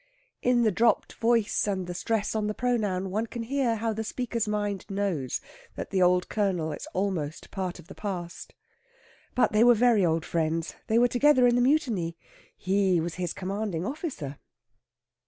In the dropped voice and the stress on the pronoun one can hear how the speaker's mind knows that the old Colonel is almost part of the past. "But they were very old friends. They were together through the Mutiny. He was his commanding officer."